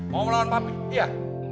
mau melawan pamit iya